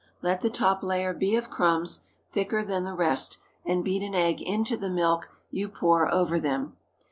Let the top layer be of crumbs, thicker than the rest, and beat an egg into the milk you pour over them.